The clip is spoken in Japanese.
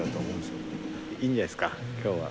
いいんじゃないですか今日は。